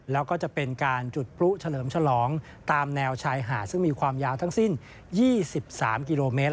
แล้วก็จะเป็นการจุดพลุเฉลิมฉลองตามแนวชายหาดซึ่งมีความยาวทั้งสิ้น๒๓กิโลเมตร